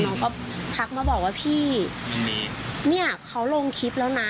น้องก็ทักมาบอกว่าพี่เนี่ยเขาลงคลิปแล้วนะ